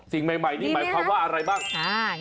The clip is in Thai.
สิ่งใหม่นี่หมายความว่าอะไรบ้าง